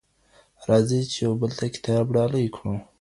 راځئ چي یو بل ته کتاب ډالۍ کړو.